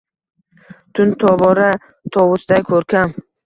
Tun tobora tovusday koʼrkam